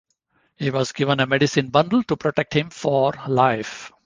He was given a medicine bundle to protect him for life.